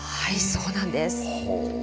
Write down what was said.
そうなんです。